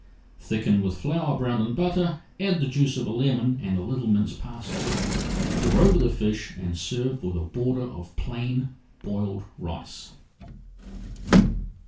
Thicken with flour browned in butter, add the juice of a lemon and a little minced parsley. Pour over the fish and serve with a border of plain boiled rice.